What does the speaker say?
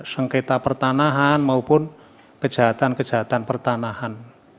sengketa pertanahan maupun kejahatan kejahatan pertanahan